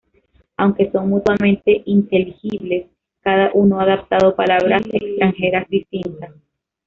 Aunque son mutuamente inteligibles, cada uno ha adaptado palabras extranjeras distintas.